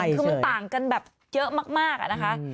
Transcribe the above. คือมันต่างกันแบบเยอะมากอะนะคะ